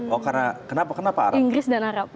oh karena kenapa kenapa arab